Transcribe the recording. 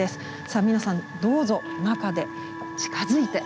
さあ皆さんどうぞ中で近づいて。